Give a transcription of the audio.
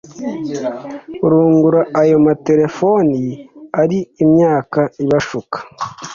rugura ayo matelefoni ari imyaka ibashuka